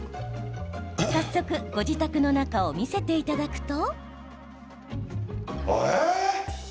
早速、ご自宅の中を見せていただくと。